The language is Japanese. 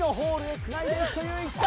つないでいくという一打！